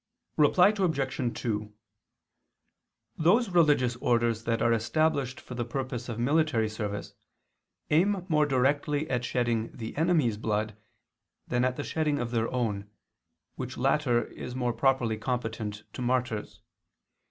Reply Obj. 2: Those religious orders that are established for the purpose of military service aim more directly at shedding the enemy's blood than at the shedding of their own, which latter is more properly competent to martyrs.